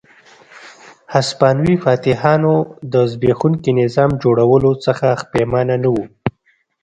هسپانوي فاتحانو د زبېښونکي نظام جوړولو څخه پښېمانه نه وو.